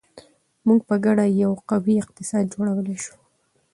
موږ په ګډه یو قوي اقتصاد جوړولی شو.